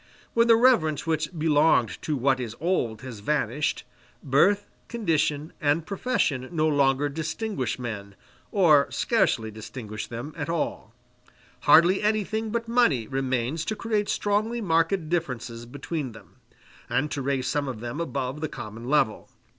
When the reverence which belonged to what is old has vanished, birth, condition, and profession no longer distinguish men, or scarcely distinguish them at all: hardly anything but money remains to create strongly marked differences between them, and to raise some of them above the common level.